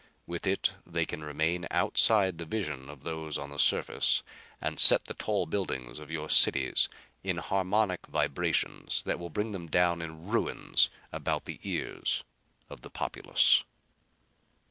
With it they can remain outside the vision of those on the surface and set the tall buildings of your cities in harmonic vibrations that will bring them down in ruins about the ears of the populace."